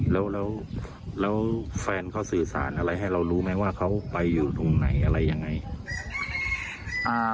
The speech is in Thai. แล้วแล้วแฟนเขาสื่อสารอะไรให้เรารู้ไหมว่าเขาไปอยู่ตรงไหนอะไรยังไง